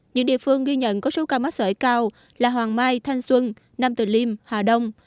những địa phương ghi nhận có số ca mắc sởi cao là hoàng mai thanh xuân nam từ liêm hà đông